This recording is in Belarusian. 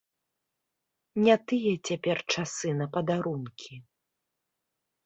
Не тыя цяпер часы на падарункі.